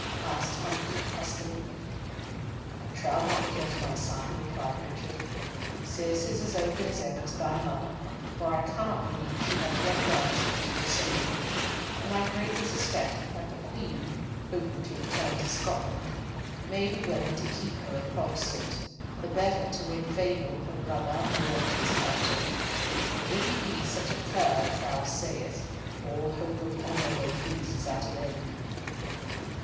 asked Humfrey huskily. "I trow not yet, my son," replied Richard; "Cis is as open as ever to thy mother, for I cannot believe she hath yet learnt to dissemble, and I greatly suspect that the Queen, hoping to return to Scotland, may be willing to keep her a Protestant, the better to win favour with her brother and the lords of his council; but if he be such a cur as thou sayest, all hope of honourable release is at an end.